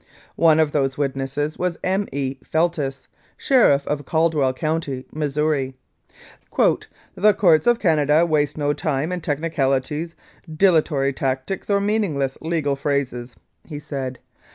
"One of those witnesses was M. E. Feltis, Sheriff of Caldwell County, Missouri. "' The courts of Canada waste no time in technicali ties, dilatory tactics, nor meaningless legal phrases/ he said.